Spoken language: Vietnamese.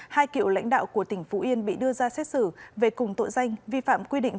hai cựu lãnh đạo của tỉnh phú yên bị đưa ra xét xử về cùng tội danh vi phạm quy định